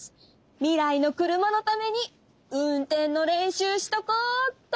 未来の車のために運転の練習しとこうっと！